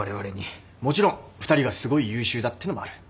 もちろん２人がすごい優秀だってのもある。